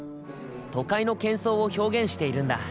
都会の喧騒を表現しているんだ。